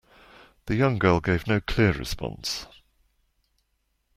The young girl gave no clear response.